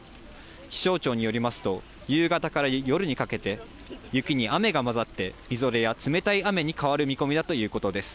気象庁によりますと、夕方から夜にかけて、雪に雨が混ざってみぞれや冷たい雨に変わる見込みだということです。